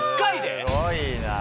すごいな。